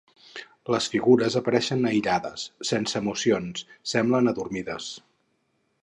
Les figures apareixen aïllades, sense emocions, semblen adormides.